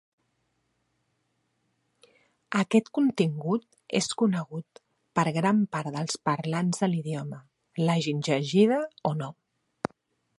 Aquest contingut és conegut per gran part dels parlants de l'idioma, l'hagin llegida o no.